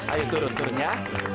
ayo turun turun ya